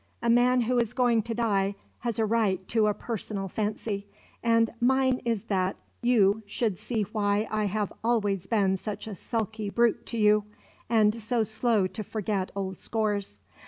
A man who is going to die has a right to a personal fancy, and mine is that you should see why I have always been such a sulky brute to you, and so slow to forget old scores.